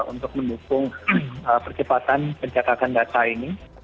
untuk mendukung percepatan pencatakan data ini